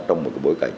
trong một cái bối cảnh